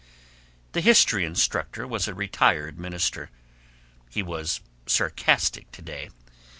The history instructor was a retired minister. He was sarcastic today.